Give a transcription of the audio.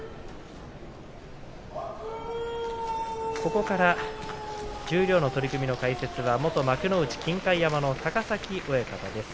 ここから十両の取組の解説は元幕内金開山の高崎親方です。